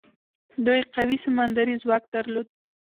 دوی قوي سمندري ځواک درلود.